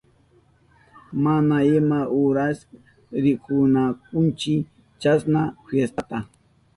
Mana ima uras rikushkanichu chasna fiestata.